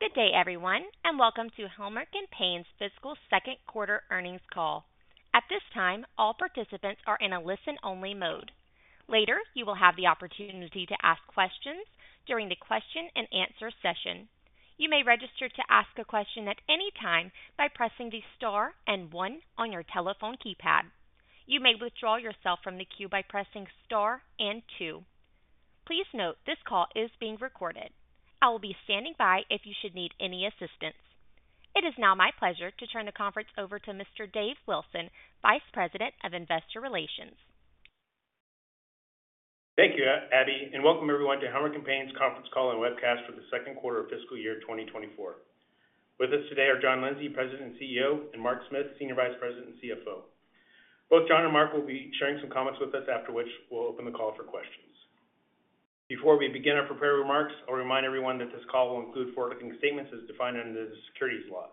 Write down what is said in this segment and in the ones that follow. Good day, everyone, and welcome to Helmerich & Payne's fiscal Q2 earnings call. At this time, all participants are in a listen-only mode. Later, you will have the opportunity to ask questions during the question-and-answer session. You may register to ask a question at any time by pressing the star and one on your telephone keypad. You may withdraw yourself from the queue by pressing star and two. Please note, this call is being recorded. I will be standing by if you should need any assistance. It is now my pleasure to turn the conference over to Mr. Dave Wilson, Vice President of Investor Relations. Thank you, Abby, and welcome everyone to Helmerich & Payne's conference call and webcast for the Q2 of fiscal year 2024. With us today are John Lindsay, President and CEO, and Mark Smith, Senior Vice President and CFO. Both John and Mark will be sharing some comments with us, after which we'll open the call for questions. Before we begin our prepared remarks, I'll remind everyone that this call will include forward-looking statements as defined under the securities laws.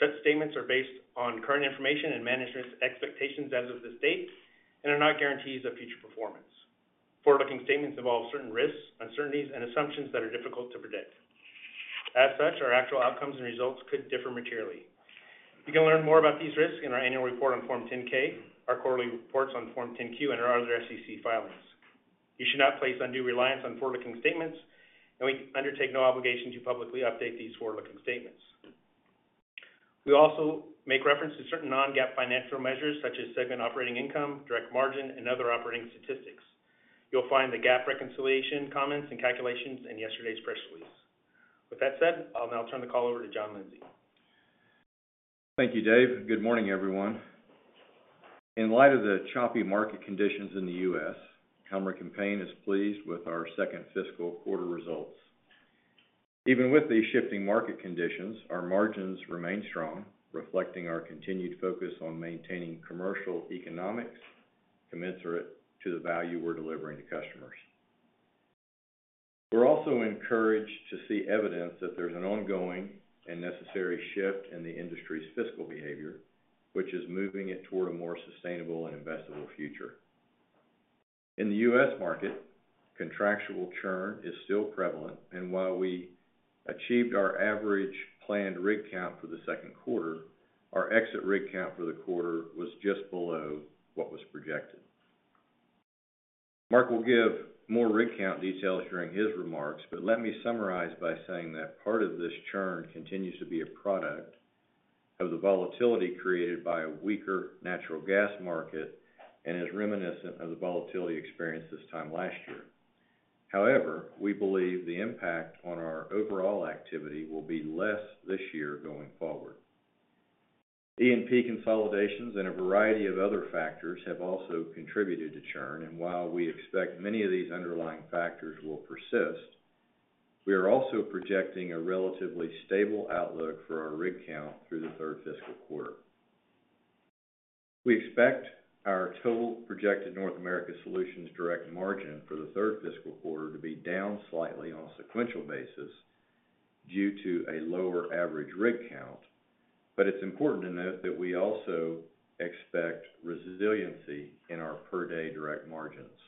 Such statements are based on current information and management's expectations as of this date and are not guarantees of future performance. Forward-looking statements involve certain risks, uncertainties, and assumptions that are difficult to predict. As such, our actual outcomes and results could differ materially. You can learn more about these risks in our annual report on Form 10-K, our quarterly reports on Form 10-Q, and our other SEC filings. You should not place undue reliance on forward-looking statements, and we undertake no obligation to publicly update these forward-looking statements. We also make reference to certain non-GAAP financial measures, such as segment operating income, direct margin, and other operating statistics. You'll find the GAAP reconciliation comments and calculations in yesterday's press release. With that said, I'll now turn the call over to John Lindsay. Thank you, Dave. Good morning, everyone. In light of the choppy market conditions in the US, Helmerich & Payne is pleased with our second fiscal quarter results. Even with these shifting market conditions, our margins remain strong, reflecting our continued focus on maintaining commercial economics commensurate to the value we're delivering to customers. We're also encouraged to see evidence that there's an ongoing and necessary shift in the industry's fiscal behavior, which is moving it toward a more sustainable and investable future. In the US market, contractual churn is still prevalent, and while we achieved our average planned rig count for the Q2, our exit rig count for the quarter was just below what was projected. Mark will give more rig count details during his remarks, but let me summarize by saying that part of this churn continues to be a product of the volatility created by a weaker natural gas market and is reminiscent of the volatility experienced this time last year. However, we believe the impact on our overall activity will be less this year going forward. E&P consolidations and a variety of other factors have also contributed to churn, and while we expect many of these underlying factors will persist, we are also projecting a relatively stable outlook for our rig count through the third fiscal quarter. We expect our total projected North America Solutions direct margin for the third fiscal quarter to be down slightly on a sequential basis due to a lower average rig count, but it's important to note that we also expect resiliency in our per-day direct margins.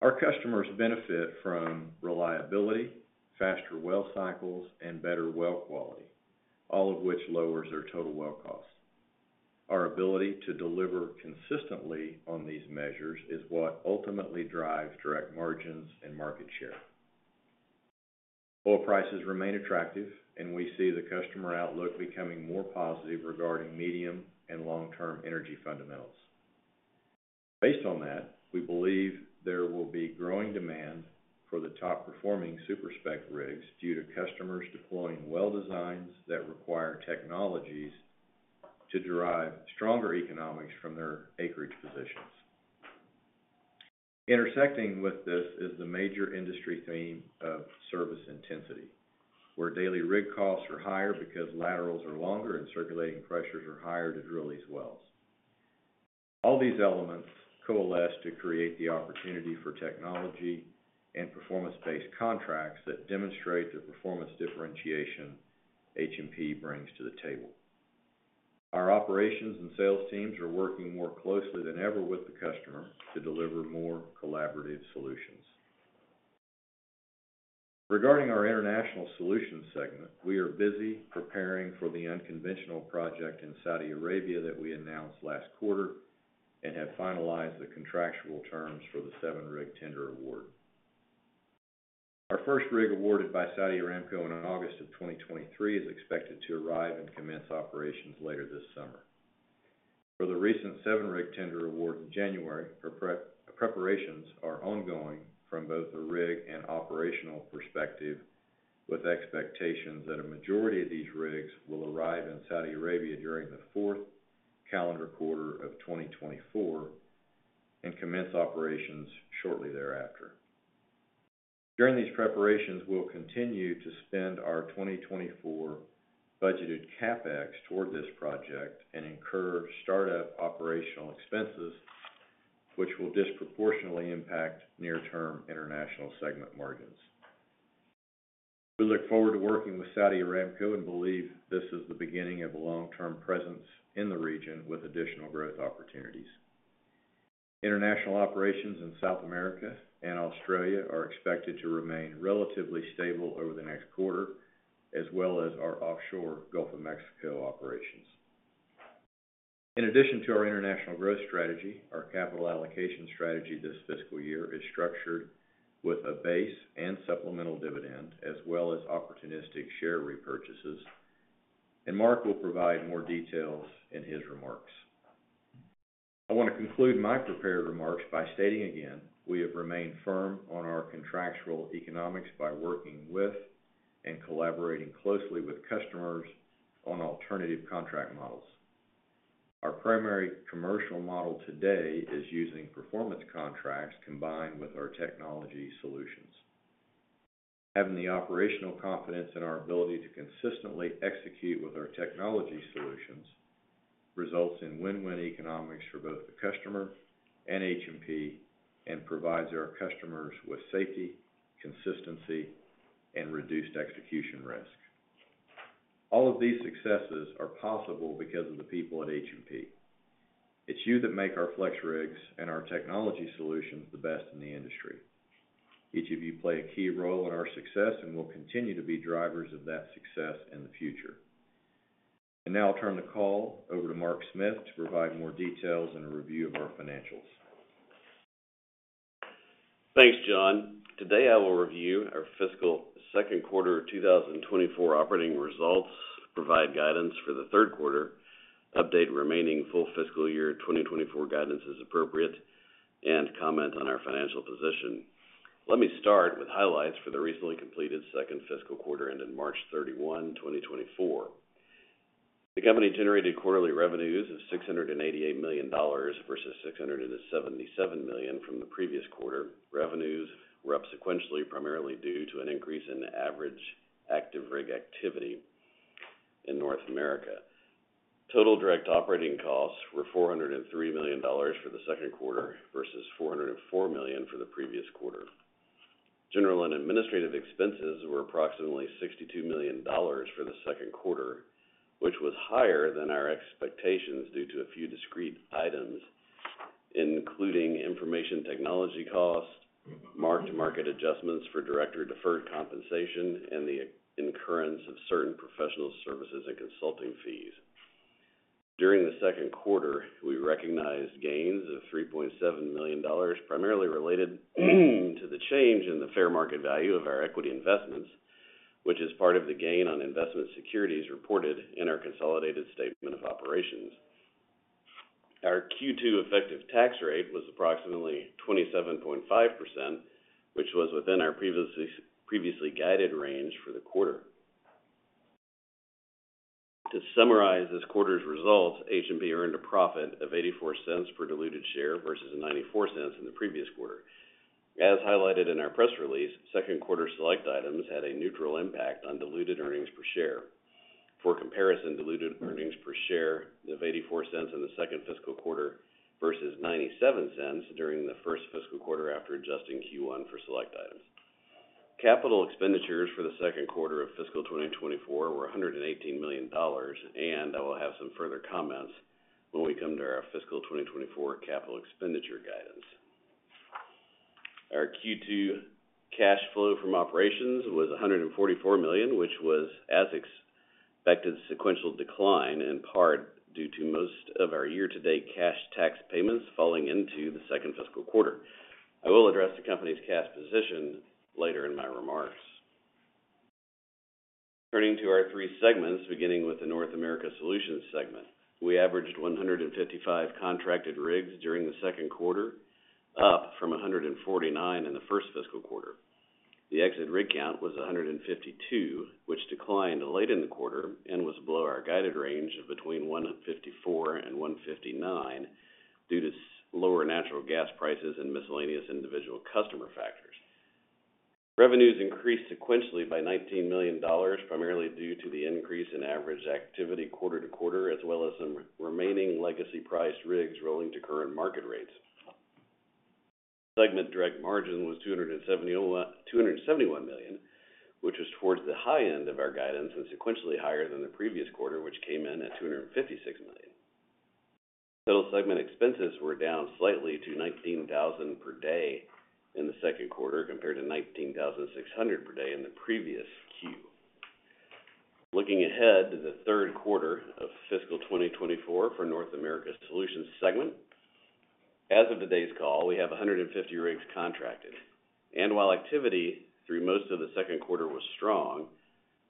Our customers benefit from reliability, faster well cycles, and better well quality, all of which lowers their total well costs. Our ability to deliver consistently on these measures is what ultimately drives direct margins and market share. Oil prices remain attractive, and we see the customer outlook becoming more positive regarding medium- and long-term energy fundamentals. Based on that, we believe there will be growing demand for the top-performing super-spec rigs due to customers deploying well designs that require technologies to derive stronger economics from their acreage positions. Intersecting with this is the major industry theme of service intensity, where daily rig costs are higher because laterals are longer and circulating pressures are higher to drill these wells. All these elements coalesce to create the opportunity for technology and performance-based contracts that demonstrate the performance differentiation H&P brings to the table. Our operations and sales teams are working more closely than ever with the customer to deliver more collaborative solutions. Regarding our International Solutions segment, we are busy preparing for the unconventional project in Saudi Arabia that we announced last quarter and have finalized the contractual terms for the seven-rig tender award. Our first rig, awarded by Saudi Aramco in August of 2023, is expected to arrive and commence operations later this summer. For the recent seven-rig tender award in January, preparations are ongoing from both the rig and operational perspective, with expectations that a majority of these rigs will arrive in Saudi Arabia during the fourth calendar quarter of 2024 and commence operations shortly thereafter. During these preparations, we'll continue to spend our 2024 budgeted CapEx toward this project and incur startup operational expenses, which will disproportionately impact near-term international segment margins. We look forward to working with Saudi Aramco and believe this is the beginning of a long-term presence in the region with additional growth opportunities. International operations in South America and Australia are expected to remain relatively stable over the next quarter, as well as our offshore Gulf of Mexico operations. In addition to our international growth strategy, our capital allocation strategy this fiscal year is structured with a base and supplemental dividend, as well as opportunistic share repurchases, and Mark will provide more details in his remarks. I want to conclude my prepared remarks by stating again, we have remained firm on our contractual economics by working with and collaborating closely with customers on alternative contract models. Our primary commercial model today is using performance contracts combined with our technology solutions. Having the operational confidence in our ability to consistently execute with our technology solutions results in win-win economics for both the customer and H&P, and provides our customers with safety, consistency, and reduced execution risk. All of these successes are possible because of the people at H&P. It's you that make our FlexRigs and our technology solutions the best in the industry. Each of you play a key role in our success, and will continue to be drivers of that success in the future. Now I'll turn the call over to Mark Smith to provide more details and a review of our financials. Thanks, John. Today, I will review our fiscal Q2 of 2024 operating results, provide guidance for the Q3, update remaining full fiscal year 2024 guidance as appropriate, and comment on our financial position. Let me start with highlights for the recently completed second fiscal quarter, ending March 31, 2024. The company generated quarterly revenues of $688 million versus $6sevenseven million from the previous quarter. Revenues were up sequentially, primarily due to an increase in average active rig activity in North America. Total direct operating costs were $403 million for the Q2 versus $404 million for the previous quarter. General and administrative expenses were approximately $62 million for the Q2, which was higher than our expectations due to a few discrete items, including information technology costs, mark-to-market adjustments for director deferred compensation, and the incurrence of certain professional services and consulting fees. During the Q2, we recognized gains of $3.seven million, primarily related to the change in the fair market value of our equity investments, which is part of the gain on investment securities reported in our consolidated statement of operations. Our Q2 effective tax rate was approximately 2seven.5%, which was within our previously guided range for the quarter. To summarize this quarter's results, H&P earned a profit of $0.84 per diluted share versus and $0.94 in the previous quarter. As highlighted in our press release, Q2 select items had a neutral impact on diluted earnings per share. For comparison, diluted earnings per share of $0.84 in the second fiscal quarter versus $0.9seven during the first fiscal quarter after adjusting Q1 for select items. Capital expenditures for the Q2 of fiscal 2024 were $118 million, and I will have some further comments when we come to our fiscal 2024 capital expenditure guidance. Our Q2 cash flow from operations was $144 million, which was, as expected, sequential decline in part due to most of our year-to-date cash tax payments falling into the second fiscal quarter. I will address the company's cash position later in my remarks. Turning to our three segments, beginning with the North America Solutions segment. We averaged 155 contracted rigs during the Q2, up from 149 in the first fiscal quarter. The exit rig count was 152, which declined late in the quarter and was below our guided range of between 154 and 159, due to lower natural gas prices and miscellaneous individual customer factors. Revenues increased sequentially by $19 million, primarily due to the increase in average activity quarter to quarter, as well as some remaining legacy priced rigs rolling to current market rates. Segment direct margin was $2seven1 million, $2seven1 million, which was towards the high end of our guidance and sequentially higher than the previous quarter, which came in at $256 million. Total segment expenses were down slightly to $19,000 per day in the Q2, compared to $19,600 per day in the previous Q. Looking ahead to the Q3 of fiscal 2024 for North America's Solutions segment. As of today's call, we have 150 rigs contracted, and while activity through most of the Q2 was strong,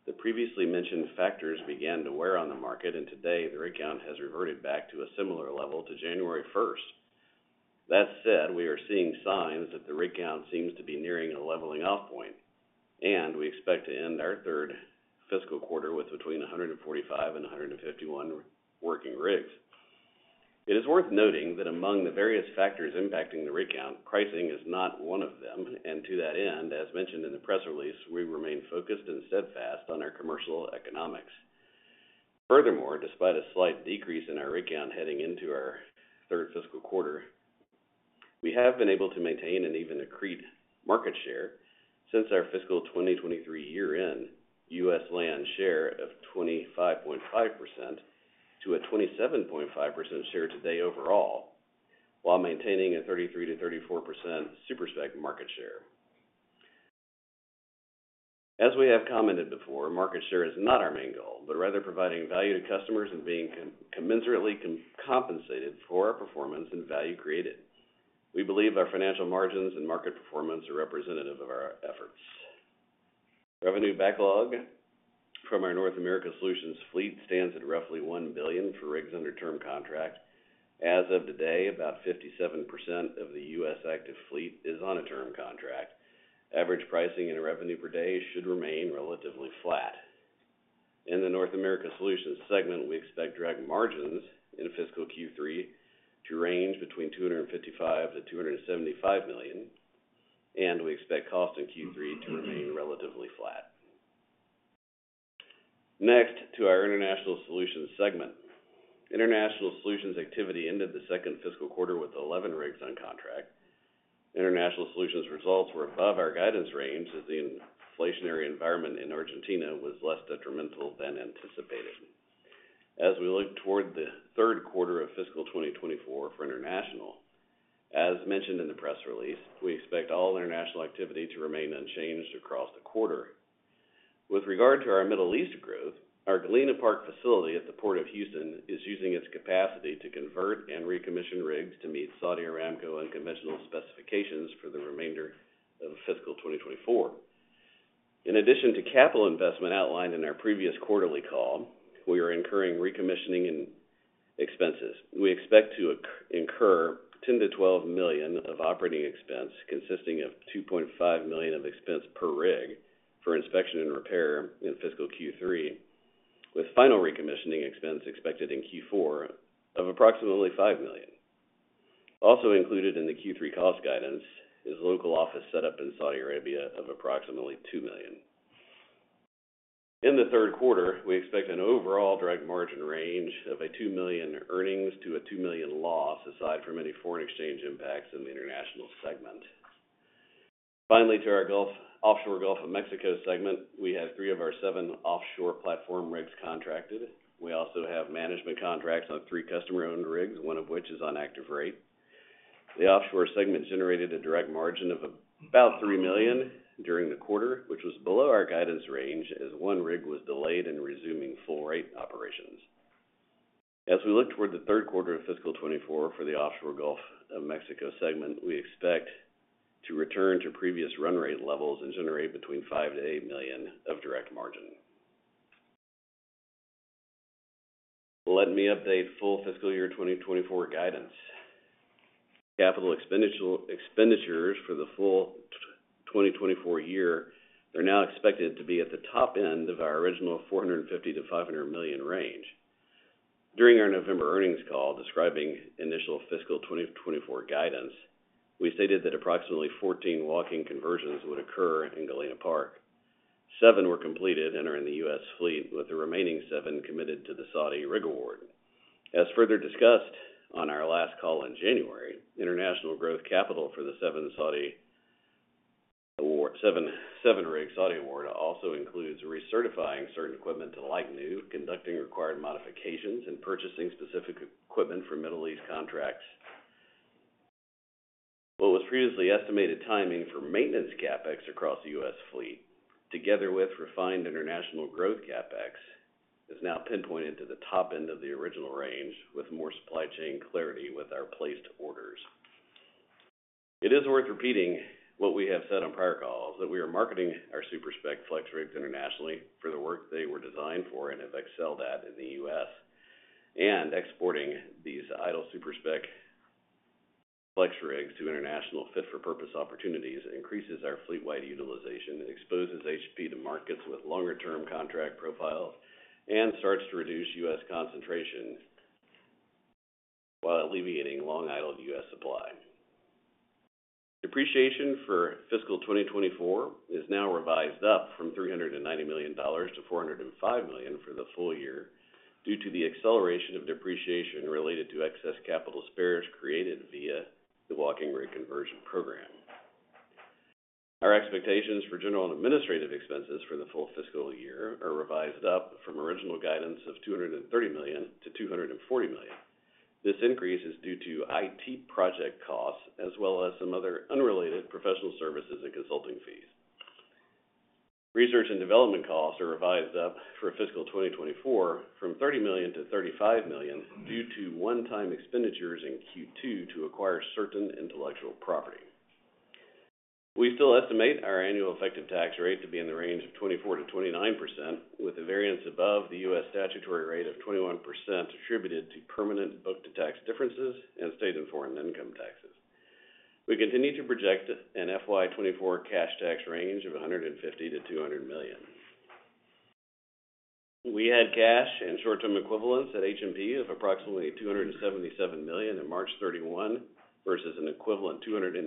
the previously mentioned factors began to wear on the market, and today the rig count has reverted back to a similar level to January first. That said, we are seeing signs that the rig count seems to be nearing a leveling off point, and we expect to end our third fiscal quarter with between 145 and 151 working rigs. It is worth noting that among the various factors impacting the rig count, pricing is not one of them, and to that end, as mentioned in the press release, we remain focused and steadfast on our commercial economics. Furthermore, despite a slight decrease in our rig count heading into our third fiscal quarter, we have been able to maintain and even accrete market share since our fiscal 2023 year-end, US land share of 25.5% to a 2seven.5% share today overall, while maintaining a 33%-34% super-spec market share. As we have commented before, market share is not our main goal, but rather providing value to customers and being commensurately compensated for our performance and value created. We believe our financial margins and market performance are representative of our efforts. Revenue backlog from our North America Solutions fleet stands at roughly $1 billion for rigs under term contract. As of today, about 5seven% of the US active fleet is on a term contract. Average pricing and revenue per day should remain relatively flat. In the North America Solutions segment, we expect direct margins in fiscal Q3 to range between $255 million-$2seven5 million, and we expect cost in Q3 to remain relatively flat. Next, to our International Solutions segment. International Solutions activity ended the second fiscal quarter with 11 rigs on contract. International Solutions results were above our guidance range, as the inflationary environment in Argentina was less detrimental than anticipated. As we look toward the Q3 of fiscal 2024 for International, as mentioned in the press release, we expect all international activity to remain unchanged across the quarter. With regard to our Middle East growth, our Galena Park facility at the Port of Houston is using its capacity to convert and recommission rigs to meet Saudi Aramco unconventional specifications for the remainder of fiscal 2024. In addition to capital investment outlined in our previous quarterly call, we are incurring recommissioning and expenses. We expect to incur $10 million-$12 million of operating expense, consisting of $2.5 million of expense per rig for inspection and repair in fiscal Q3, with final recommissioning expense expected in Q4 of approximately $5 million. Also included in the Q3 cost guidance is local office setup in Saudi Arabia of approximately $2 million. In the Q3, we expect an overall direct margin range of $2 million earnings to $2 million loss, aside from any foreign exchange impacts in the international segment. Finally, to our Offshore Gulf of Mexico segment, we had 3 of our seven offshore platform rigs contracted. We also have management contracts on 3 customer-owned rigs, one of which is on active rate. The offshore segment generated a direct margin of about $3 million during the quarter, which was below our guidance range, as one rig was delayed in resuming full rate operations. As we look toward the Q3 of fiscal 2024 for the Offshore Gulf of Mexico segment, we expect to return to previous run rate levels and generate between $5 million-$8 million of direct margin. Let me update full fiscal year 2024 guidance. Capital expenditures for the full 2024 year are now expected to be at the top end of our original $450 million-$500 million range. During our November earnings call describing initial fiscal 2024 guidance, we stated that approximately 14 walking conversions would occur in Galena Park. seven were completed and are in the US fleet, with the remaining seven committed to the Saudi rig award. As further discussed on our last call in January, international growth capital for the seven rig Saudi award, also includes recertifying certain equipment to like new, conducting required modifications, and purchasing specific equipment for Middle East contracts. What was previously estimated timing for maintenance CapEx across the US fleet, together with refined international growth CapEx, is now pinpointed to the top end of the original range, with more supply chain clarity with our placed orders. It is worth repeating what we have said on prior calls, that we are marketing our super-spec FlexRigs internationally for the work they were designed for and have excelled at in the US, and exporting these idle super-spec flex rigs to international fit-for-purpose opportunities increases our fleet-wide utilization, exposes H&P to markets with longer-term contract profiles, and starts to reduce US concentration, while alleviating long-idled US supply. Depreciation for fiscal 2024 is now revised up from $390 million to $405 million for the full year, due to the acceleration of depreciation related to excess capital spares created via the walking rig conversion program. Our expectations for general and administrative expenses for the full fiscal year are revised up from original guidance of $230 million to $240 million. This increase is due to IT project costs, as well as some other unrelated professional services and consulting fees. Research and development costs are revised up for fiscal 2024 from $30 million to $35 million, due to one-time expenditures in Q2 to acquire certain intellectual property. We still estimate our annual effective tax rate to be in the range of 24%-29%, with the variance above the US statutory rate of 21% attributed to permanent book to tax differences and state and foreign income taxes. We continue to project an FY 2024 cash tax range of $150 million-$200 million. We had cash and short-term equivalents at H&P of approximately $2sevenseven million on March 31, versus an equivalent $298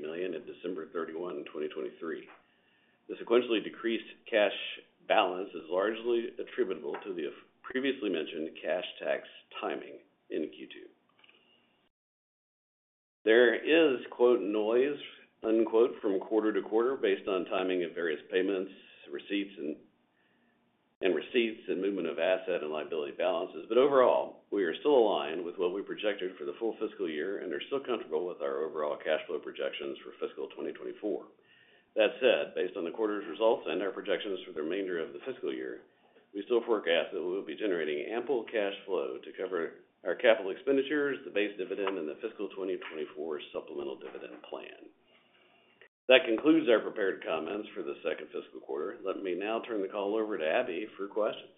million on December 31, 2023. The sequentially decreased cash balance is largely attributable to the previously mentioned cash tax timing in Q2. There is "noise" from quarter to quarter based on timing of various payments, receipts and movement of asset and liability balances. But overall, we are still aligned with what we projected for the full fiscal year and are still comfortable with our overall cash flow projections for fiscal 2024. That said, based on the quarter's results and our projections for the remainder of the fiscal year, we still forecast that we will be generating ample cash flow to cover our capital expenditures, the base dividend, and the fiscal 2024 supplemental dividend plan. That concludes our prepared comments for the second fiscal quarter. Let me now turn the call over to Abby for questions.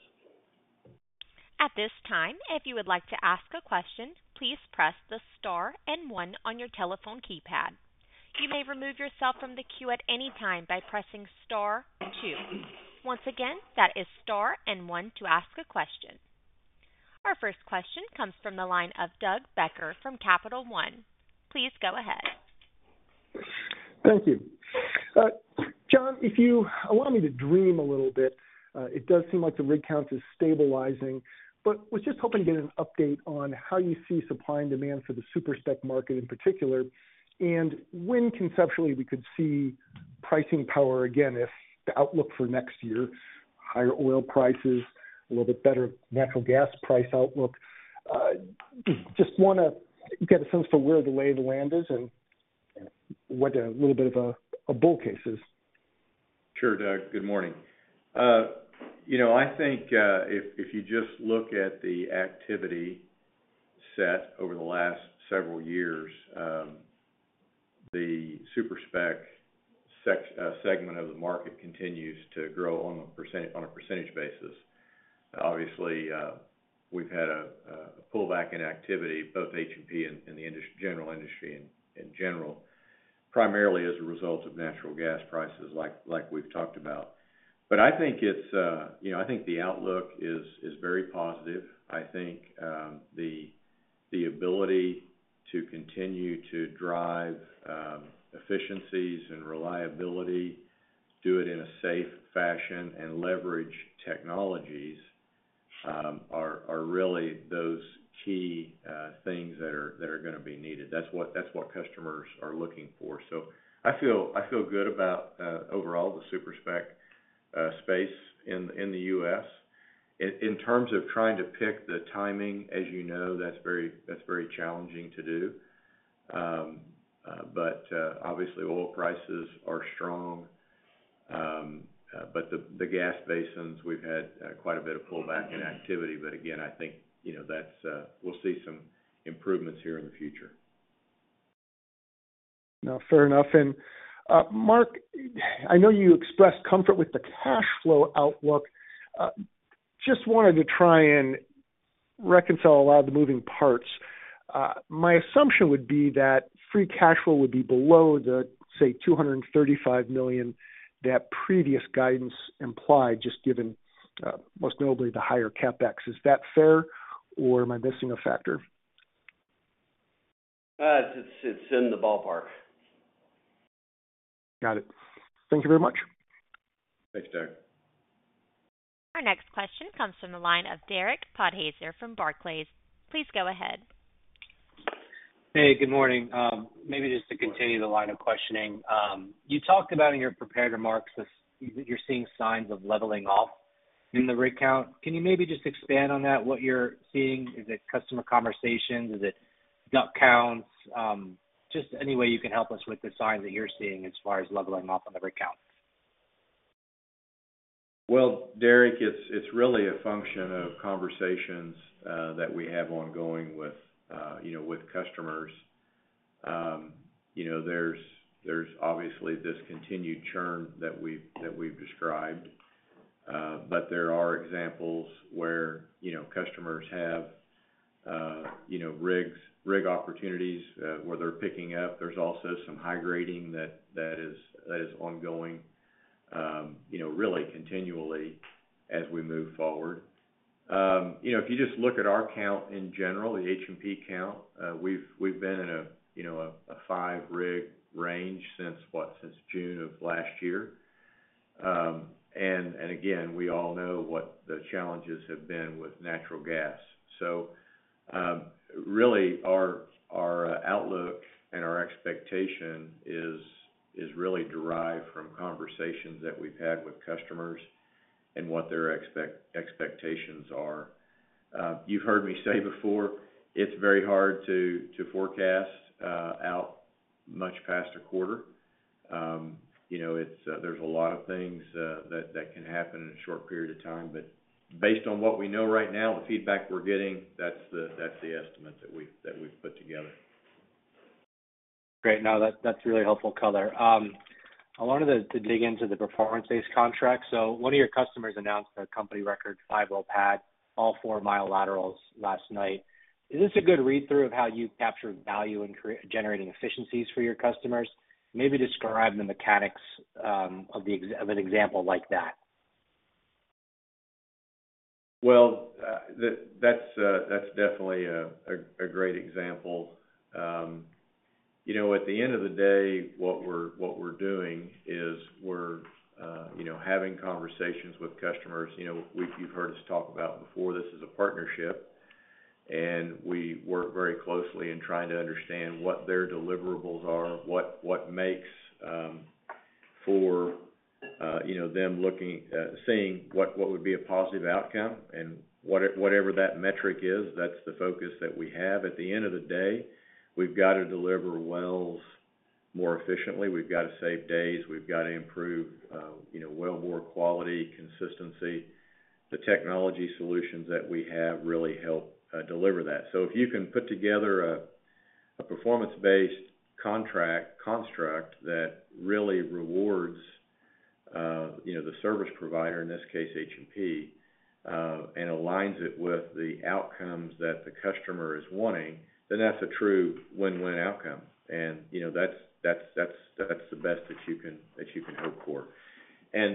At this time, if you would like to ask a question, please press the star and one on your telephone keypad. You may remove yourself from the queue at any time by pressing star two. Once again, that is star and one to ask a question. Our first question comes from the line of Doug Becker from Capital One. Please go ahead. Thank you. John, if you allow me to dream a little bit, it does seem like the rig count is stabilizing, but was just hoping to get an update on how you see supply and demand for the super-spec market in particular, and when conceptually, we could see pricing power again, if the outlook for next year, higher oil prices, a little bit better natural gas price outlook. Just wanna get a sense for where the lay of the land is and what a little bit of a bull case is. Sure, Doug. Good morning. I think, if you just look at the activity set over the last several years, the super-spec segment of the market continues to grow on a percentage basis. Obviously, we've had a pullback in activity, both H&P and the industry, general industry in general, primarily as a result of natural gas prices, like we've talked about. But I think it's I think the outlook is very positive. I think, the ability to continue to drive, efficiencies and reliability, do it in a safe fashion and leverage technologies, are really those key, things that are gonna be needed. That's what, that's what customers are looking for. So I feel good about overall the super-spec space in the US In terms of trying to pick the timing, as that's very challenging to do. But obviously, oil prices are strong. But the gas basins, we've had quite a bit of pullback in activity. But again, I think we'll see some improvements here in the future. No, fair enough. And, Mark, I know you expressed comfort with the cash flow outlook. Just wanted to try and reconcile a lot of the moving parts. My assumption would be that free cash flow would be below the, say, $235 million, that previous guidance implied, just given, most notably, the higher CapEx. Is that fair, or am I missing a factor? It's in the ballpark. Got it. Thank you very much. Thanks, Doug. Our next question comes from the line of Derek Podhaizer from Barclays. Please go ahead. Hey, good morning. Maybe just to continue the line of questioning. You talked about in your prepared remarks, that you're seeing signs of leveling off in the rig count. Can you maybe just expand on that, what you're seeing? Is it customer conversations? Is it DUC counts? Just any way you can help us with the signs that you're seeing as far as leveling off on the rig count. Well, Derek, it's really a function of conversations that we have ongoing with customers. There's obviously this continued churn that we've described, but there are examples where customers have rig opportunities, where they're picking up. There's also some high grading that is ongoing really continually as we move forward. If you just look at our count in general, the H&P count, we've been in a 5-rig range since what? Since June of last year. And again, we all know what the challenges have been with natural gas. So, really, our outlook and our expectation is really derived from conversations that we've had with customers and what their expectations are. You've heard me say before, it's very hard to forecast out much past a quarter. It's, there's a lot of things that can happen in a short period of time. But based on what we know right now, the feedback we're getting, that's the estimate that we've put together. Great. No, that, that's really helpful call. I wanted to dig into the performance-based contract. So one of your customers announced a company record, five-well pad, all four-mile laterals last night. Is this a good read-through of how you've captured value in creating efficiencies for your customers? Maybe describe the mechanics of an example like that. Well, that's definitely a great example, at the end of the day, what we're, what we're doing is we're having conversations with customers. We've, you've heard us talk about before, this is a partnership, and we work very closely in trying to understand what their deliverables are, what, what makes, for them looking, seeing what, what would be a positive outcome. And whatever that metric is, that's the focus that we have. At the end of the day, we've got to deliver wells more efficiently. We've got to save days. We've got to improve wellbore quality, consistency. The technology solutions that we have really help, deliver that. So if you can put together a performance-based contract, construct that really rewards the service provider, in this case, H&P, and aligns it with the outcomes that the customer is wanting, then that's a true win-win outcome. And that's the best that you can hope for. As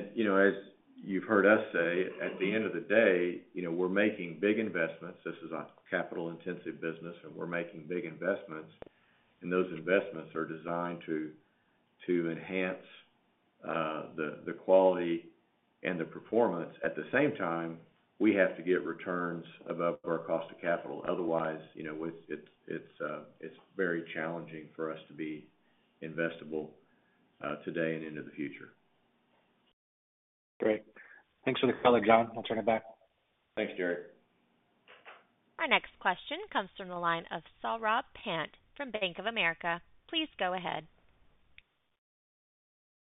you've heard us say, at the end of the day we're making big investments. This is a capital-intensive business, and we're making big investments, and those investments are designed to enhance the quality and the performance. At the same time, we have to get returns above our cost of capital. Otherwise it's very challenging for us to be investable today and into the future. Great. Thanks for the call, John. I'll turn it back. Thanks, Jared. Our next question comes from the line of Saurabh Pant from Bank of America. Please go ahead.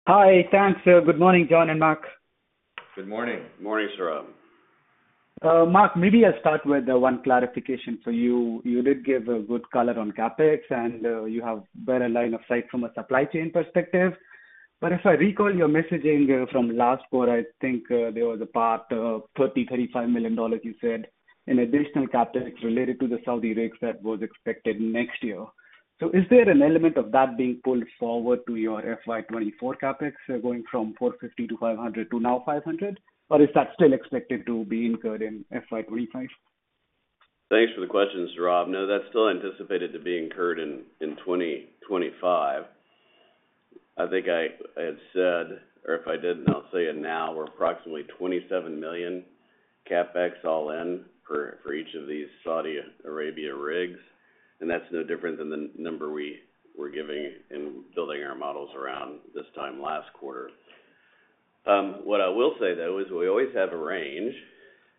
Hi, thanks. Good morning, John and Mark. Good morning. Morning, Saurabh. Mark, maybe I'll start with one clarification for you. You did give a good call on CapEx, and you have better line of sight from a supply chain perspective. But if I recall your messaging from last quarter, I think there was a part of $30-$35 million, you said, in additional CapEx related to the Saudi rigs that was expected next year. So is there an element of that being pulled forward to your FY 2024 CapEx, going from $450 million to $500 million to now $500 million? Or is that still expected to be incurred in FY 2025? Thanks for the question, Saurabh. No, that's still anticipated to be incurred in, in 2025. I think I had said, or if I didn't, I'll say it now, we're approximately $2seven million CapEx all in for each of these Saudi Arabia rigs, and that's no different than the number we were giving in building our models around this time last quarter. What I will say, though, is we always have a range,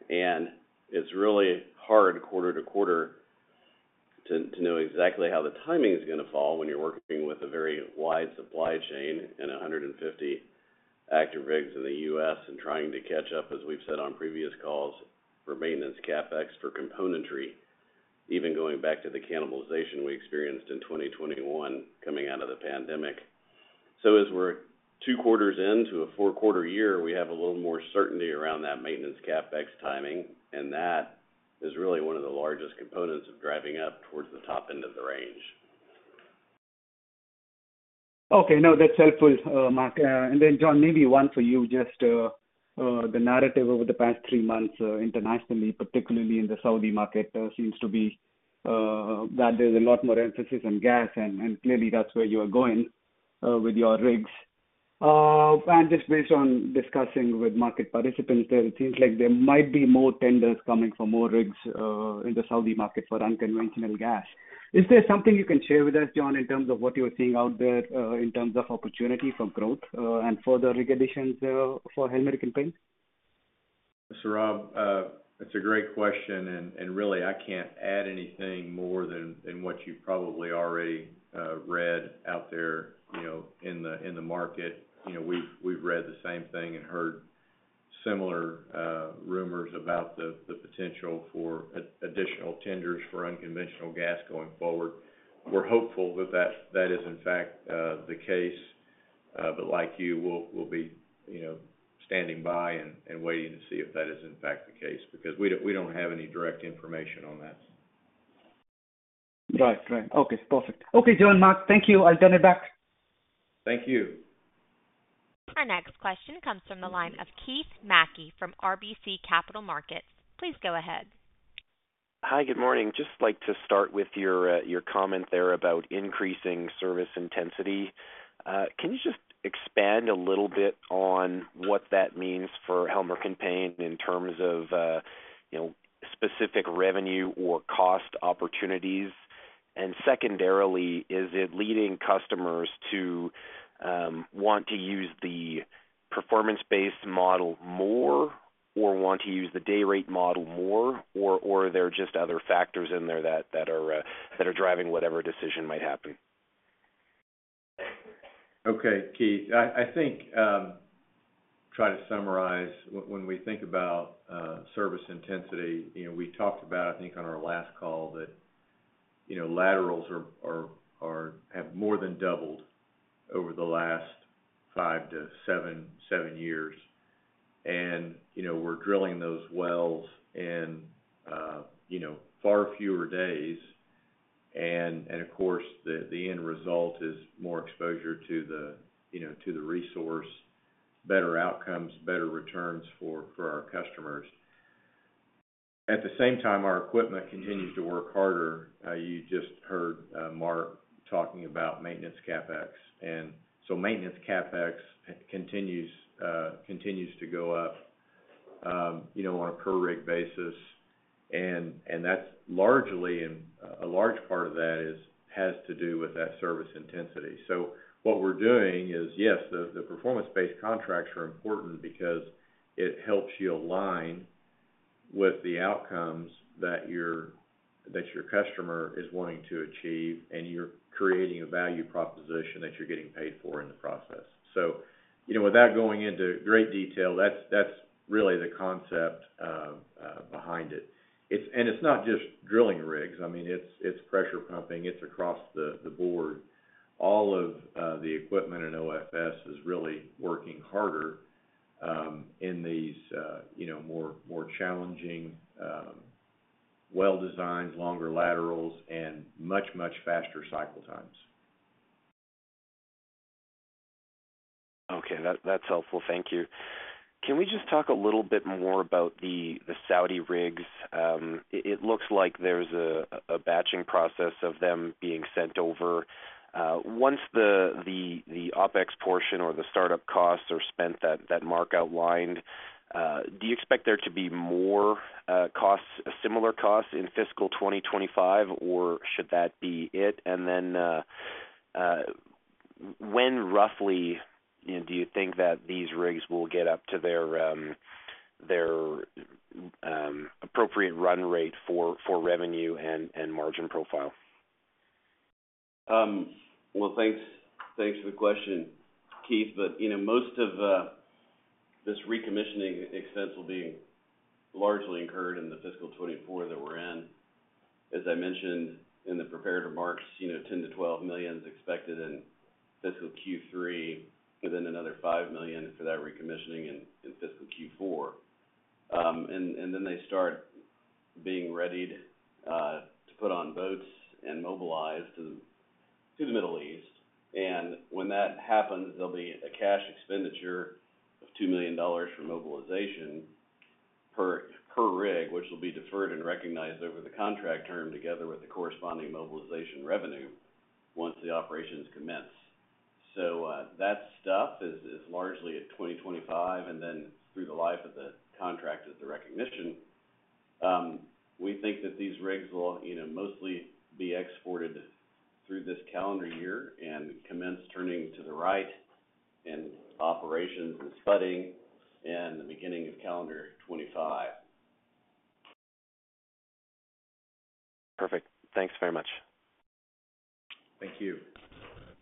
and it's really hard quarter to quarter to know exactly how the timing is gonna fall when you're working with a very wide supply chain and 150 active rigs in the US and trying to catch up. As we've said on previous calls, for maintenance CapEx for componentry, even going back to the cannibalization we experienced in 2021 coming out of the pandemic. As we're 2 quarters into a 4-quarter year, we have a little more certainty around that maintenance CapEx timing, and that is really one of the largest components of driving up towards the top end of the range. Okay, no, that's helpful, Mark. And then, John, maybe one for you. Just the narrative over the past three months internationally, particularly in the Saudi market, seems to be that there's a lot more emphasis on gas, and clearly that's where you are going with your rigs. And just based on discussing with market participants, it seems like there might be more tenders coming for more rigs in the Saudi market for unconventional gas. Is there something you can share with us, John, in terms of what you're seeing out there in terms of opportunity for growth and further rig additions for Helmerich & Payne? Saurabh, that's a great question, and really, I can't add anything more than what you've probably already read out there in the market. We've read the same thing and heard similar rumors about the potential for additional tenders for unconventional gas going forward. We're hopeful that that is, in fact, the case, but like you, we'll be standing by and waiting to see if that is in fact the case, because we don't have any direct information on that. Right. Right. Okay, perfect. Okay, John, Mark, thank you. I'll turn it back. Thank you. Our next question comes from the line of Keith Mackey from RBC Capital Markets. Please go ahead. Hi, good morning. Just like to start with your, your comment there about increasing service intensity. Can you just expand a little bit on what that means for Helmerich & Payne in terms of specific revenue or cost opportunities? And secondarily, is it leading customers to, want to use the performance-based model more, or want to use the day-rate model more or are there just other factors in there that are driving whatever decision might happen? Okay Keith, i think try to summarize what we think about service intencity and we talked about it think in the last call laterals have more than doubled over the last five to seven years and we're drilling those wells in far fewer days. And of course, the end result is more exposure to the resource, better outcomes, better returns for our customers. ...At the same time, our equipment continues to work harder. You just heard Mark talking about maintenance CapEx. And so maintenance CapEx continues to go up on a per rig basis. And that's largely, and a large part of that is, has to do with that service intensity. So what we're doing is, yes, the performance-based contracts are important because it helps you align with the outcomes that your customer is wanting to achieve, and you're creating a value proposition that you're getting paid for in the process. So without going into great detail, that's really the concept behind it. It's, and it's not just drilling rigs. I mean, it's pressure pumping, it's across the board. All of the equipment in OFS is really working harder in these more, more challenging, well-designed, longer laterals and much, much faster cycle times. Okay, that's helpful. Thank you. Can we just talk a little bit more about the Saudi rigs? It looks like there's a batching process of them being sent over. Once the OpEx portion or the startup costs are spent, that Mark outlined, do you expect there to be more costs, similar costs in fiscal 2025, or should that be it? And then, when roughly do you think that these rigs will get up to their appropriate run rate for revenue and margin profile? Well, thanks, thanks for the question, Keith. But most of this recommissioning expense will be largely incurred in the fiscal 2024 that we're in. As I mentioned in the prepared remarks $10 million-$12 million is expected in fiscal Q3, and then another $5 million for that recommissioning in fiscal Q4. And then they start being readied to put on boats and mobilized to the Middle East. And when that happens, there'll be a cash expenditure of $2 million for mobilization per rig, which will be deferred and recognized over the contract term, together with the corresponding mobilization revenue once the operations commence. So, that stuff is largely at 2025, and then through the life of the contract, is the recognition. We think that these rigs will mostly be exported through this calendar year and commence turning to the right, and operations and spudding in the beginning of calendar 2025. Perfect. Thanks very much. Thank you.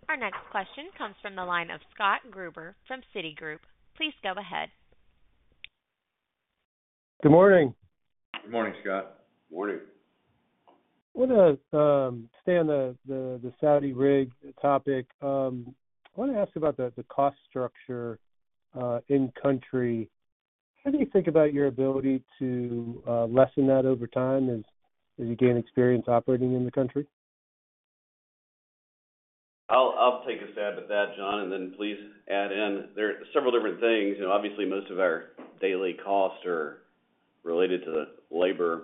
Our next question comes from the line of Scott Gruber from Citigroup. Please go ahead. Good morning. Good morning, Scott. Morning. I wanna stay on the Saudi rig topic. I wanna ask about the cost structure in country. How do you think about your ability to lessen that over time as you gain experience operating in the country? I'll take a stab at that, John, and then please add in. There are several different things, obviously, most of our daily costs are related to the labor.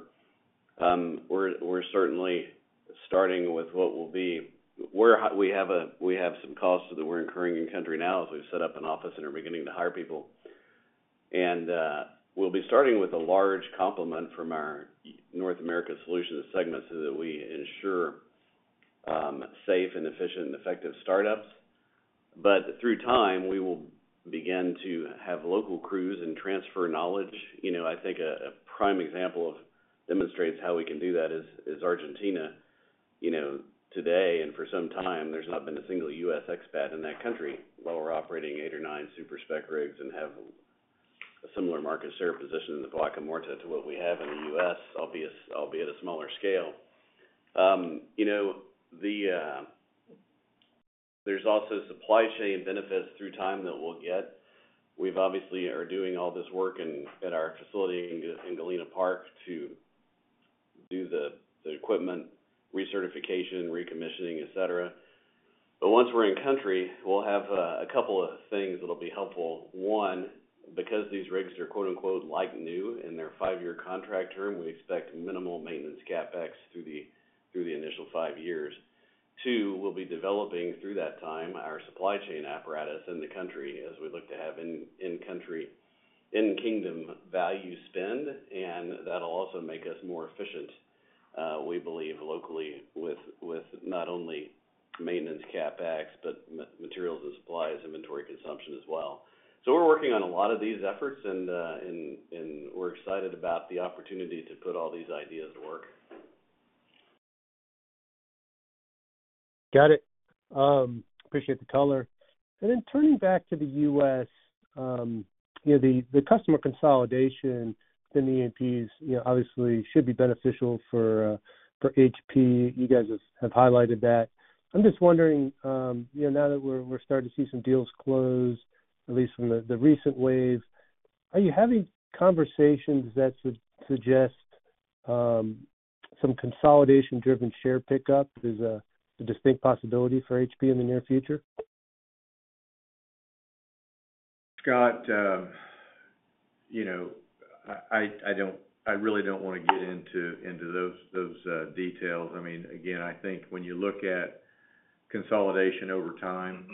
We have some costs that we're incurring in country now, as we've set up an office and are beginning to hire people. And we'll be starting with a large complement from our North America Solutions segment, so that we ensure safe and efficient and effective startups. But through time, we will begin to have local crews and transfer knowledge. I think a prime example that demonstrates how we can do that is Argentina. Today, and for some time, there's not been a single US expat in that country, while we're operating eight or nine super-spec rigs and have a similar market share position in the Vaca Muerta to what we have in the US, obviously, albeit a smaller scale. There's also supply chain benefits through time that we'll get. We've obviously are doing all this work at our facility in Galena Park to do the equipment recertification, recommissioning, et cetera. But once we're in country, we'll have a couple of things that'll be helpful. One, because these rigs are quote-unquote, "like new" in their five-year contract term, we expect minimal maintenance CapEx through the initial five years. Two, we'll be developing, through that time, our supply chain apparatus in the country, as we look to have in-country, in-Kingdom value spend, and that'll also make us more efficient, we believe, locally with not only maintenance CapEx, but materials and supplies, inventory consumption as well. So we're working on a lot of these efforts, and we're excited about the opportunity to put all these ideas to work. Got it. Appreciate the call. Then turning back to the US the customer consolidation within the E&Ps, obviously should be beneficial for HP. You guys have highlighted that. I'm just wondering now that we're starting to see some deals close, at least from the recent wave, are you having conversations that would suggest some consolidation-driven share pickup is a distinct possibility for HP in the near future? Scott, I don't. I really don't want to get into those details. I mean, again, I think when you look at consolidation over time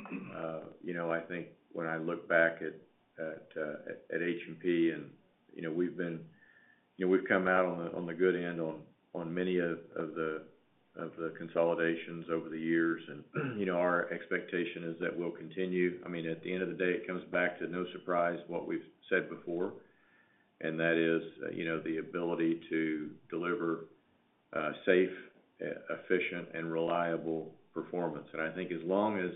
I think when I look back at H&P, and we've come out on the good end on many of the consolidations over the years. Our expectation is that we'll continue. I mean, at the end of the day, it comes back to no surprise what we've said before, and that is the ability to deliver safe, efficient, and reliable performance. I think as long as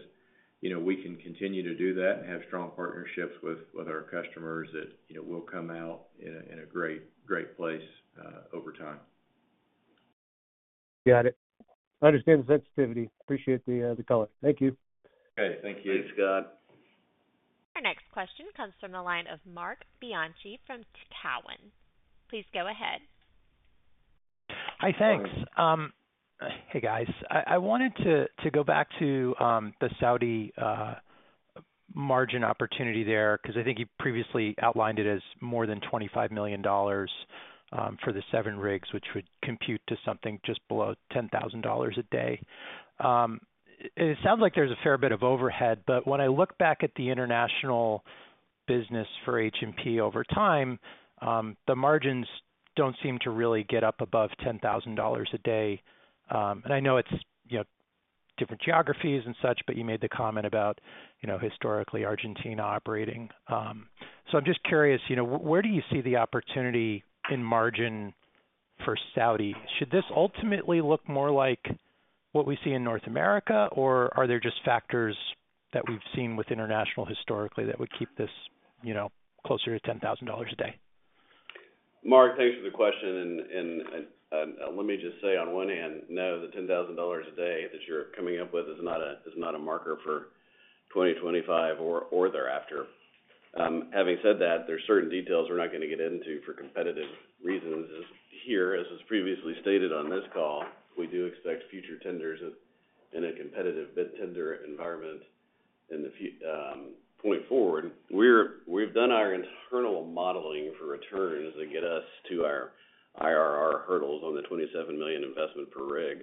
we can continue to do that and have strong partnerships with our customers that we'll come out in a great place over time. Got it. I understand the sensitivity. Appreciate the call. Thank you. Okay, thank you. Thanks, Scott. Our next question comes from the line of Mark Bianchi from Cowen. Please go ahead. Hi, thanks. Hey, guys. I wanted to go back to the Saudi margin opportunity there, 'cause I think you previously outlined it as more than $25 million for the seven rigs, which would compute to something just below $10,000 a day. It sounds like there's a fair bit of overhead, but when I look back at the international business for H&P over time, the margins don't seem to really get up above $10,000 a day. And I know it's different geographies and such, but you made the comment about historically, Argentina operating. So I'm just curious where do you see the opportunity in margin for Saudi? Should this ultimately look more like what we see in North America, or are there just factors that we've seen with international historically, that would keep this closer to $10,000 a day? Mark, thanks for the question, and let me just say, on one hand, no, the $10,000 a day that you're coming up with is not a marker for 2025 or thereafter. Having said that, there are certain details we're not gonna get into for competitive reasons here. As was previously stated on this call, we do expect future tenders in a competitive bid tender environment going forward. We've done our internal modeling for returns that get us to our IRR hurdles on the $2seven million investment per rig.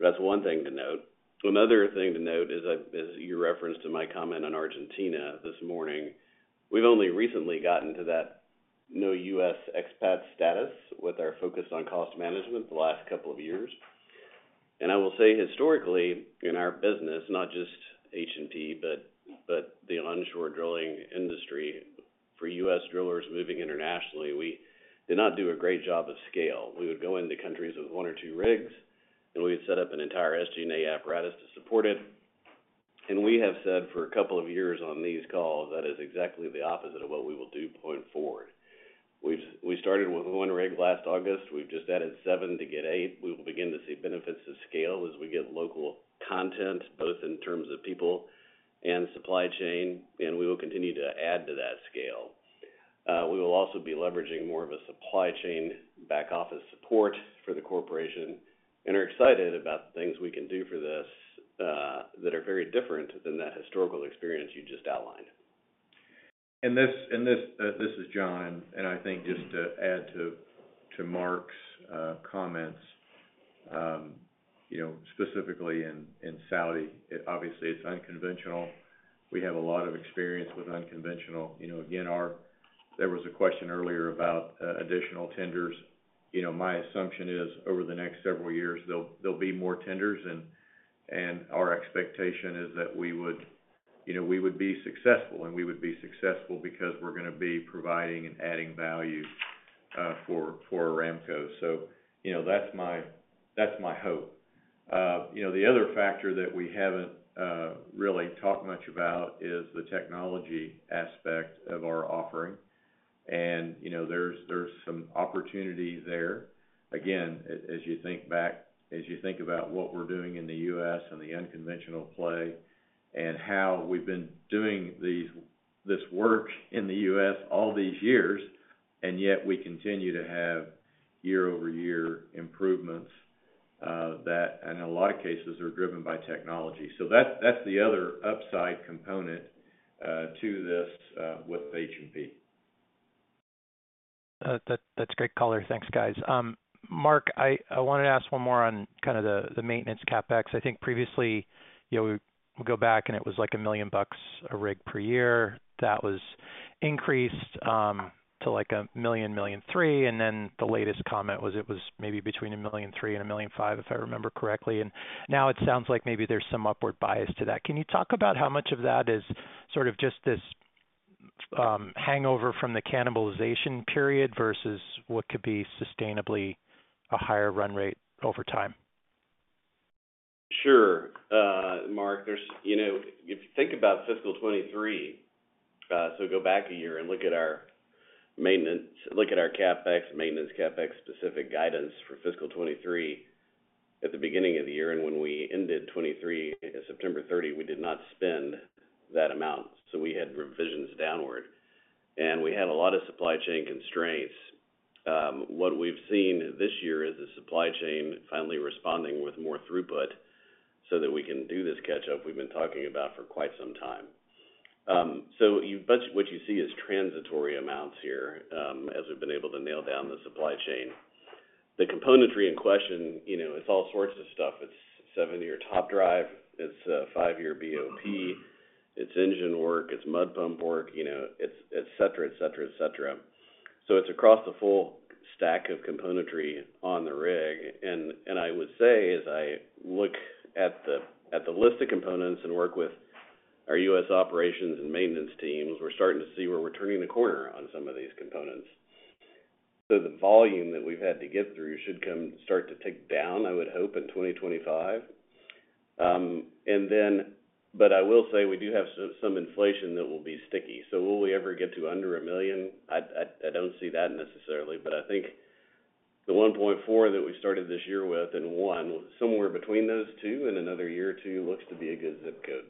That's one thing to note. Another thing to note is that, as you referenced in my comment on Argentina this morning, we've only recently gotten to that no US expat status with our focus on cost management the last couple of years. I will say, historically, in our business, not just H&P, but the onshore drilling industry, for US drillers moving internationally, we did not do a great job of scale. We would go into countries with one or two rigs, and we would set up an entire SG&A apparatus to support it. We have said for a couple of years on these calls, that is exactly the opposite of what we will do going forward. We started with one rig last August. We've just added seven to get eight. We will begin to see benefits of scale as we get local content, both in terms of people and supply chain, and we will continue to add to that scale. We will also be leveraging more of a supply chain back office support for the corporation, and are excited about the things we can do for this, that are very different than that historical experience you just outlined. This is John, and I think just to add to, to Mark's comments, specifically in, in Saudi, it obviously it's unconventional. We have a lot of experience with unconventional, again, there was a question earlier about additional tenders. My assumption is, over the next several years, there'll be more tenders, and our expectation is that we would, we would be successful, and we would be successful because we're gonna be providing and adding value, for Aramco. So that's my hope. The other factor that we haven't really talked much about is the technology aspect of our offering. There's some opportunity there. Again, as you think back, as you think about what we're doing in the US and the unconventional play, and how we've been doing this work in the US all these years, and yet we continue to have year-over-year improvements, that in a lot of cases are driven by technology. So that's, that's the other upside component to this with H&P. That's a great call. Thanks, guys. Mark, I wanted to ask one more on kind of the maintenance CapEx. I think previously we go back, and it was like $1 million a rig per year. That was increased to, like, $1 million, $1.3 million, and then the latest comment was it was maybe between $1.3 million and $1.5 million, if I remember correctly. And now it sounds like maybe there's some upward bias to that. Can you talk about how much of that is sort of just this hangover from the cannibalization period versus what could be sustainably a higher run rate over time? Sure. Mark, there's if you think about fiscal 2023, so go back a year and look at our maintenance, look at our CapEx, maintenance CapEx specific guidance for fiscal 2023 at the beginning of the year, and when we ended 2023, September 30, we did not spend that amount, so we had revisions downward.and we had a lot of supply chain constraints. What we've seen this year is the supply chain finally responding with more throughput, so that we can do this catch-up we've been talking about for quite some time. So, but what you see is transitory amounts here, as we've been able to nail down the supply chain. The componentry in question it's all sorts of stuff. It's seven-year top drive, it's 5-year BOP, it's engine work, it's mud pump work it's et cetera, et cetera, et cetera. So it's across the full stack of componentry on the rig. And I would say, as I look at the list of components and work with our US operations and maintenance teams, we're starting to see where we're turning the corner on some of these components. So the volume that we've had to get through should come start to tick down, I would hope, in 2025. And then but I will say we do have some inflation that will be sticky. So will we ever get to under $1 million? I don't see that necessarily, but I think the $1.4 that we started this year with and $1, somewhere between those two and another year or two, looks to be a good ZIP code.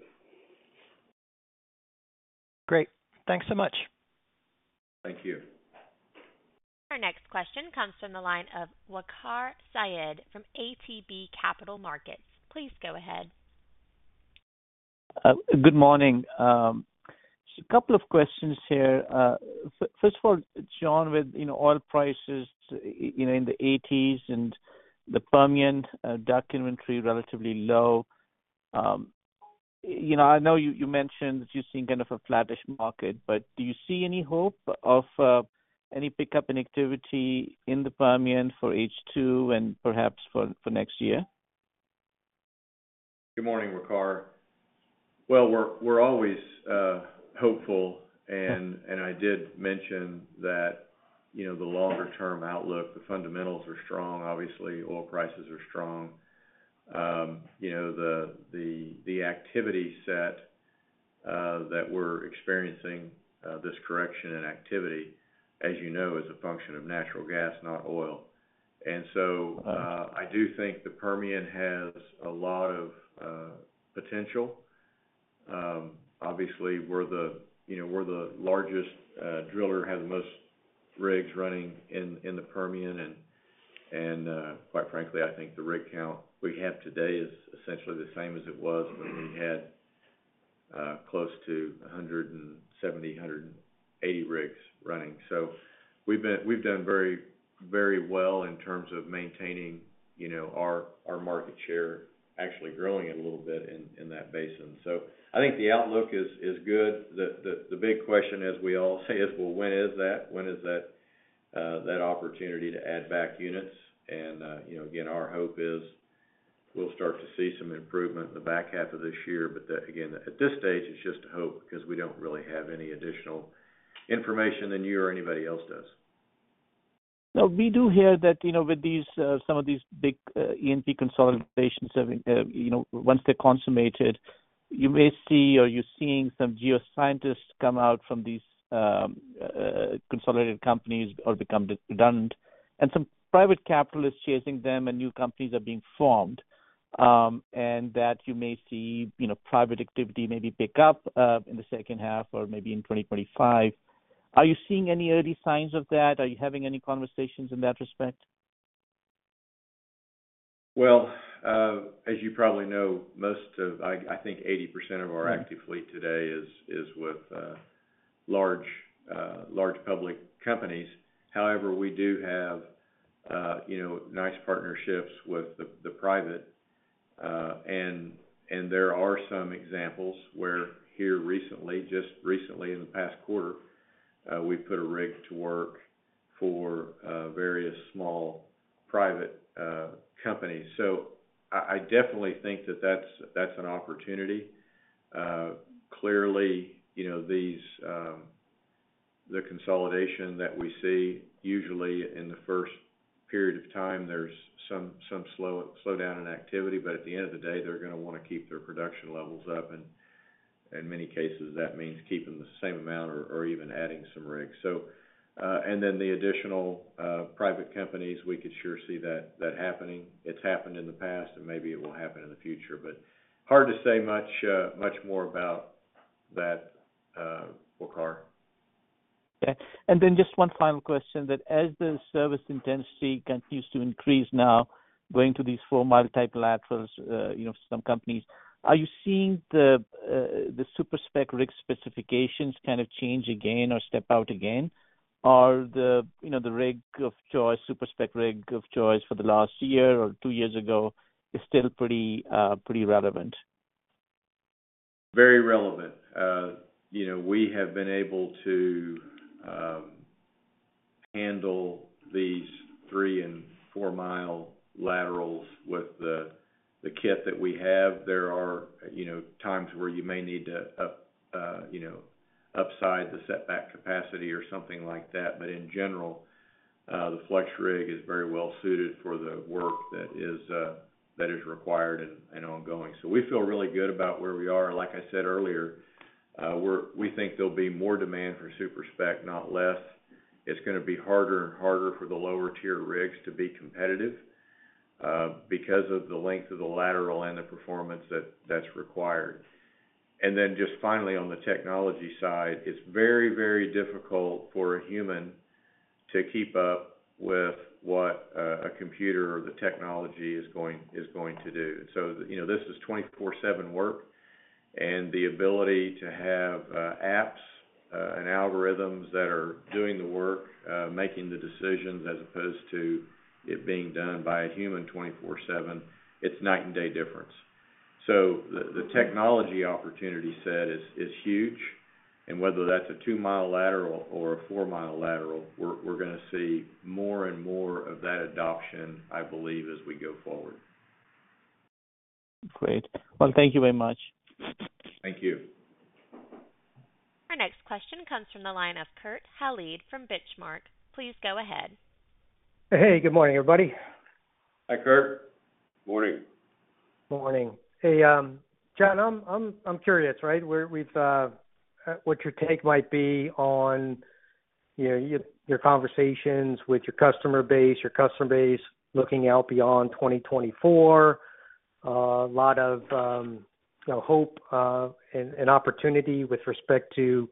Great. Thanks so much. Thank you. Our next question comes from the line of Waqar Syed from ATB Capital Markets. Please go ahead. Good morning. Just a couple of questions here. First of all, John, with oil prices, in the eighties and the Permian, DUC inventory relatively low, I know you mentioned that you've seen kind of a flattish market, but do you see any hope of any pickup in activity in the Permian for H2 and perhaps for next year? Good morning, Waqar. Well, we're always hopeful, and I did mention that the longer-term outlook, the fundamentals are strong. Obviously, oil prices are strong. The activity set that we're experiencing, this correction in activity, as is a function of natural gas, not oil. And so, I do think the Permian has a lot of potential. Obviously, we're the we're the largest driller, have the most rigs running in the Permian, and quite frankly, I think the rig count we have today is essentially the same as it was when we had close to 170, 180 rigs running. So we've done very well in terms of maintaining our market share, actually growing it a little bit in, in that basin. So I think the outlook is good. The, the, the big question, as we all say is: Well, when is that? When is that, that opportunity to add back units? And again, our hope is we'll start to see some improvement in the back half of this year. But that, again, at this stage, it's just a hope because we don't really have any additional information than you or anybody else does. Well, we do hear that with these, some of these big, E&P consolidations once they're consummated, you may see or you're seeing some geoscientists come out from these, consolidated companies or become redundant, and some private capitalists chasing them, and new companies are being formed. And that you may see private activity maybe pick up, in the second half or maybe in 2025. Are you seeing any early signs of that? Are you having any conversations in that respect? Well, as you probably know, most of, I think 80% of our active fleet today is with large public companies. However, we do have nice partnerships with the private. And there are some examples where here recently, just recently in the past quarter, we put a rig to work for various small private companies. So I definitely think that that's an opportunity. Clearly, these, the consolidation that we see, usually in the first period of time, there's some slow down in activity, but at the end of the day, they're gonna wanna keep their production levels up, and in many cases, that means keeping the same amount or even adding some rigs. So, and then the additional, private companies, we could sure see that, that happening. It's happened in the past, and maybe it will happen in the future, but hard to say much, much more about that, Waqar. Okay. And then just one final question, that as the service intensity continues to increase now, going to these 4-mile type laterals some companies, are you seeing the, the super-spec rig specifications kind of change again or step out again? Or the the rig of choice, super-spec rig of choice for the last year or 2 years ago, is still pretty, pretty relevant? Very relevant. We have been able to handle these 3- and 4-mile laterals with the kit that we have. There are times where you may need to upsize the setback capacity or something like that, but in general, the FlexRig is very well suited for the work that is required and ongoing. So we feel really good about where we are. Like I said earlier, we think there'll be more demand for super-spec, not less. It's gonna be harder and harder for the lower-tier rigs to be competitive, because of the length of the lateral and the performance that's required. And then just finally, on the technology side, it's very, very difficult for a human to keep up with what a computer or the technology is going to do. So, this is twenty-four/seven work, and the ability to have apps and algorithms that are doing the work, making the decisions, as opposed to it being done by a human twenty-four/seven, it's night and day difference. So the technology opportunity set is huge, and whether that's a 2-mile lateral or a 4-mile lateral, we're gonna see more and more of that adoption, I believe, as we go forward. Great. Well, thank you very much. Thank you. Our next question comes from the line of Kurt Hallead from Benchmark. Please go ahead. Hey, good morning, everybody. Hi, Kurt. Morning. Morning. Hey, John, I'm curious, right? What your take might be on your conversations with your customer base, your customer base, looking out beyond 2024. A lot of, you hope and opportunity with respect to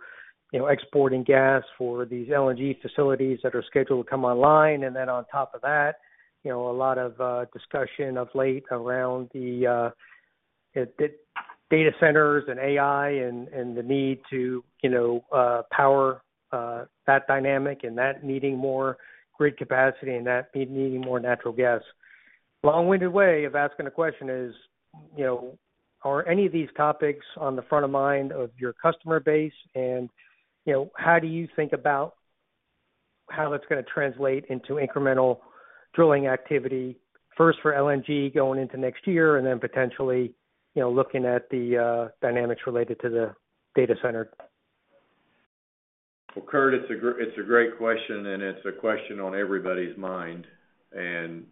exporting gas for these LNG facilities that are scheduled to come online. And then on top of that a lot of discussion of late around the data centers and AI and the need to power that dynamic, and that needing more grid capacity and that needing more natural gas. Long-winded way of asking the question is are any of these topics on the front of mind of your customer base? How do you think about how that's gonna translate into incremental drilling activity, first for LNG going into next year, and then potentially looking at the dynamics related to the data center? Well, Kurt, it's a great question, and it's a question on everybody's mind. And,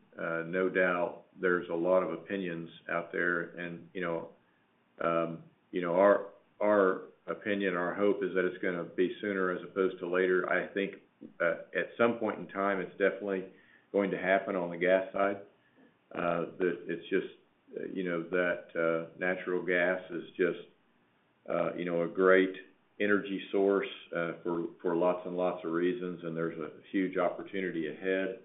no doubt, there's a lot of opinions out there, and our opinion, our hope is that it's gonna be sooner as opposed to later. I think, at some point in time, it's definitely going to happen on the gas side. It's just that natural gas is just, a great energy source, for lots and lots of reasons, and there's a huge opportunity ahead.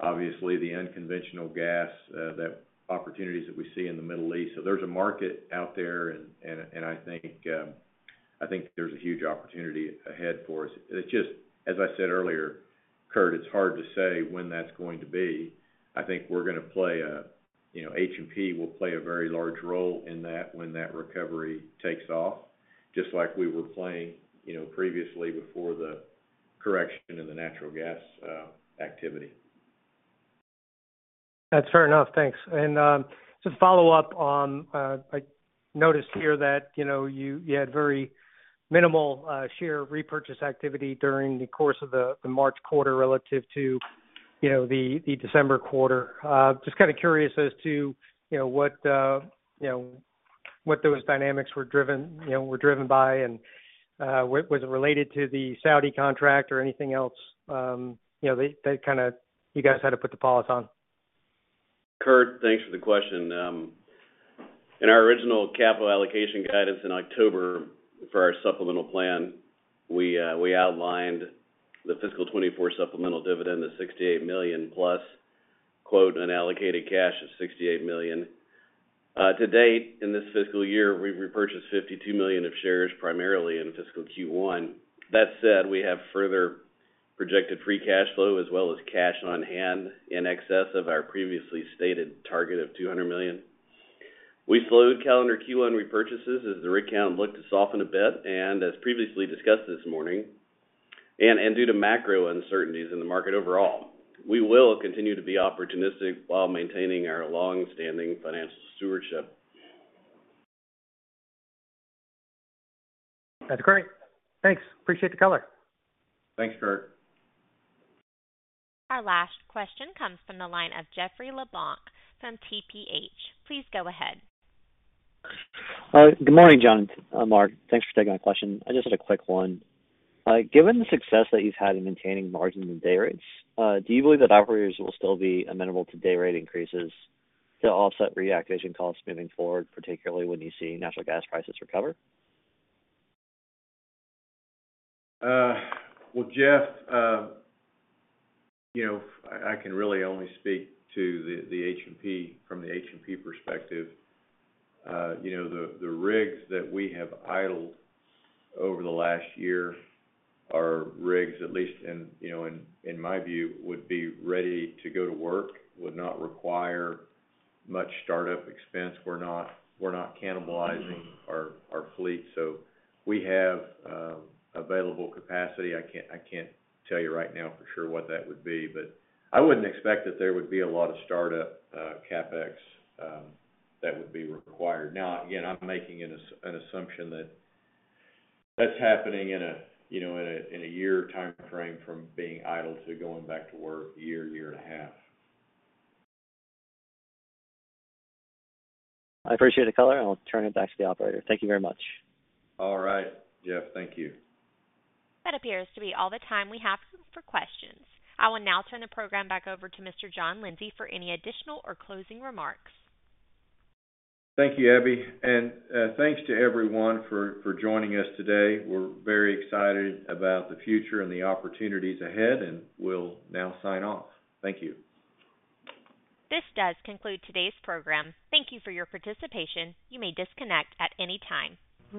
Obviously, the unconventional gas, the opportunities that we see in the Middle East. So there's a market out there, and I think there's a huge opportunity ahead for us. It's just, as I said earlier, Kurt, it's hard to say when that's going to be.I think we're gonna play a H&P will play a very large role in that when that recovery takes off, just like we were playing previously before the correction in the natural gas activity. That's fair enough. Thanks. And just follow up on, I noticed here that you had very minimal share repurchase activity during the course of the March quarter relative to the December quarter. Just kind of curious as to what those dynamics were driven were driven by, and was it related to the Saudi contract or anything else? They kind of, you guys had to put the pause on. Kurt, thanks for the question. In our original capital allocation guidance in October for our supplemental plan, we outlined the fiscal 2024 supplemental dividend of $68 million plus, quote, "an allocated cash of $68 million." To date, in this fiscal year, we've repurchased $52 million of shares, primarily in fiscal Q1. That said, we have further projected free cash flow as well as cash on hand in excess of our previously stated target of $200 million. We slowed calendar Q1 repurchases as the rig count looked to soften a bit, and as previously discussed this morning, and due to macro uncertainties in the market overall. We will continue to be opportunistic while maintaining our long-standing financial stewardship. That's great. Thanks. Appreciate the call. Thanks, Kurt. Our last question comes from the line of Jeffrey LeBlanc from TPH. Please go ahead. Good morning, John, Mark. Thanks for taking my question. I just had a quick one. Given the success that you've had in maintaining margins and dayrates, do you believe that operators will still be amenable to dayrate increases to offset reactivation costs moving forward, particularly when you see natural gas prices recover? Well, Jeff, I can really only speak to the H&P from the H&P perspective. The rigs that we have idled over the last year are rigs, at least in my view, would be ready to go to work, would not require much startup expense. We're not cannibalizing our fleet, so we have available capacity. I can't tell you right now for sure what that would be, but I wouldn't expect that there would be a lot of startup CapEx that would be required. Now, again, I'm making an assumption that that's happening in a in a year timeframe from being idle to going back to work, a year, year and a half. I appreciate the call, and I'll turn it back to the operator. Thank you very much. All right, Jeff, thank you. That appears to be all the time we have for questions. I will now turn the program back over to Mr. John Lindsay for any additional or closing remarks. Thank you, Abby, and thanks to everyone for joining us today. We're very excited about the future and the opportunities ahead, and we'll now sign off. Thank you. This does conclude today's program. Thank you for your participation. You may disconnect at any time.